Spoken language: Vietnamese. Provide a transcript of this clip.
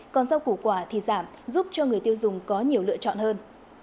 còn rau củ quả thì giảm giúp cho người tiêu dùng có nhiều lựa chọn hơn